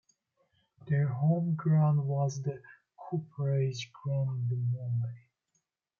Their home ground was the Cooperage Ground in Mumbai.